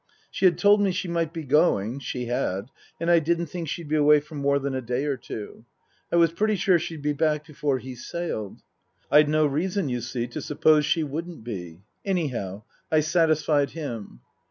She had told me she might be going (she had), and I didn't think she'd be away for more than a day or two. I was pretty sure she'd be back before he sailed. I'd no reason, you see, to suppose she wouldn't be. Anyhow, I satisfied him.